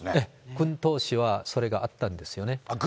軍どうしはそれがあったんですよね。